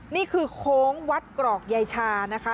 นี่คือโค้งวัดกรอกยายชานะคะ